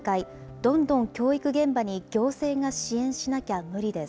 どんどん教育現場に行政が支援しなきゃ無理です。